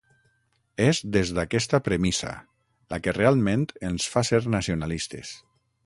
És des d'aquesta premissa, la que realment ens fa ser nacionalistes.